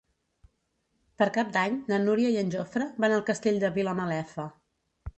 Per Cap d'Any na Núria i en Jofre van al Castell de Vilamalefa.